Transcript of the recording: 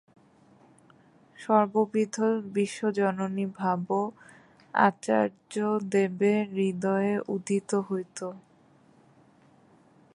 সর্ববিধ বিশ্বজননী ভাবও আচার্যদেবের হৃদয়ে উদিত হইত।